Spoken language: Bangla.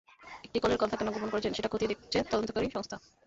একটি কলের কথা কেন গোপন করেছেন, সেটা খতিয়ে দেখছে তদন্তকারী সংস্থা।